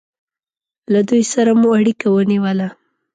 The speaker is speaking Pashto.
له دوی سره مو اړیکه ونیوله.